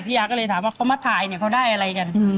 ยาก็เลยถามว่าเขามาถ่ายเนี่ยเขาได้อะไรกัน